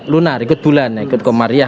lunar ikut bulan ikut komariah